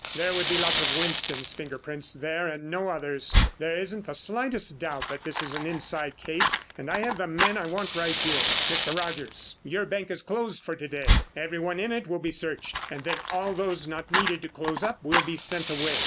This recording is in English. There would be lots of Winston's finger prints there and no others. There isn't the slightest doubt that this is an inside case and I have the men I want right here. Mr. Rogers, your bank is closed for to day. Everyone in it will be searched and then all those not needed to close up will be sent away.